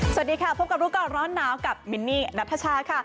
สวัสดีค่ะพบกับร้อนน้าวกับนัทชาค่ะ